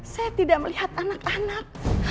saya tidak melihat anak anak